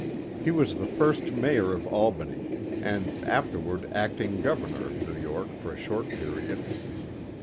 He was the first mayor of Albany, and afterward acting governor of New York for a short period.